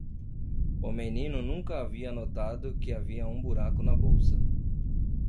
O menino nunca havia notado que havia um buraco na bolsa.